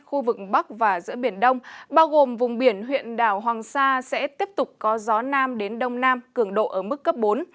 khu vực bắc và giữa biển đông bao gồm vùng biển huyện đảo hoàng sa sẽ tiếp tục có gió nam đến đông nam cường độ ở mức cấp bốn